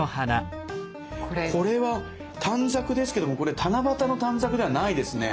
これは短冊ですけども七夕の短冊ではないですね。